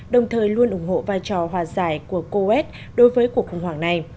đồng thời luôn ủng hộ vai trò hòa giải của coes đối với cuộc khủng hoảng này